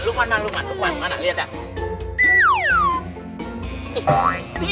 lupuan mana lupuan mana lihat dah